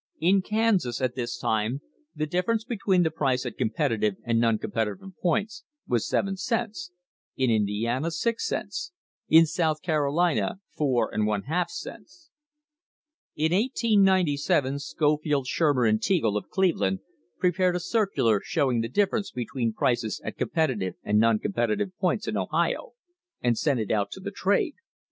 In Kansas, at this time, the difference between the price at competitive and non competitive points THE HISTORY OF THE STANDARD OIL COMPANY was seven cents; in Indiana six cents; in South Carolina four and one half cents.* In 1897 Scofield, Shurmer and Teagle, of Cleveland, pre pared a circular showing the difference between prices at com petitive and non competitive points in Ohio, and sent it out to the trade.